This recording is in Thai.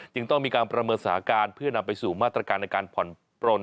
จึงต้องมีการประเมินสถานการณ์เพื่อนำไปสู่มาตรการในการผ่อนปลน